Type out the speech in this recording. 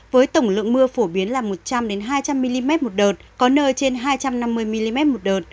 với tổng lượng mưa phổ biến là một trăm linh hai trăm linh mm một đợt có nơi trên hai trăm năm mươi mm một đợt